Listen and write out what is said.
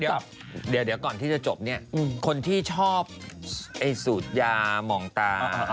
เดี๋ยวก่อนที่จะจบเนี่ยคนที่ชอบไอ้สูตรยามองตา